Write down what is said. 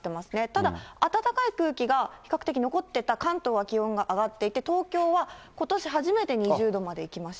ただ、暖かい空気が比較的残ってた関東は気温が上がっていて、東京は、ことし初めて２０度までいきました。